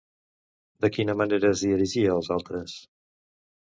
De quina manera es dirigia als altres?